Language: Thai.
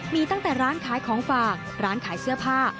มีตั้งแต่ร้านขายของฝากร้านขายเสื้อผ้า